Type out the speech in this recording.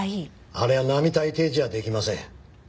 あれは並大抵じゃ出来ません。